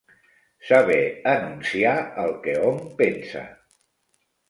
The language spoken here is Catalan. Saber enunciar el que hom pensa.